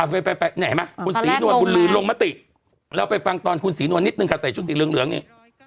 เห็นไหมคุณศรีนวลบุญลือลงมติเราไปฟังตอนคุณศรีนวลนิดนึงค่ะใส่ชุดสีเหลืองนี่